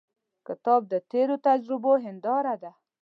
کتاب د تیرو تجربو هنداره ده.